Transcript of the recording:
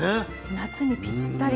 夏にぴったり。